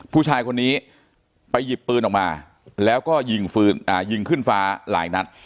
ผู้ชายคนนี้ไปหยิบปืนออกมาแล้วก็ยิงปืนยิงขึ้นฟ้าหลายนัด